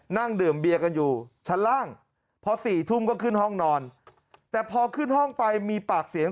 นั่งดื่มเบียร์กันอยู่ชั้นล่างพอ๔ทุ่มก็ขึ้นห้องนอนแต่พอขึ้นห้องไปมีปากเสียง